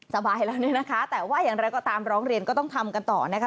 สบายแล้วเนี่ยนะคะแต่ว่าอย่างไรก็ตามร้องเรียนก็ต้องทำกันต่อนะคะ